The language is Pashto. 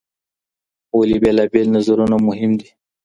ولي بېلابېل نظرونه مهم دي؟